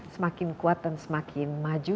semakin kuat dan semakin maju